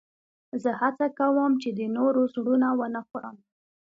زه هڅه کوم، چي د نورو زړونه و نه خورم.